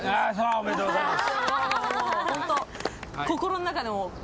おめでとうございます。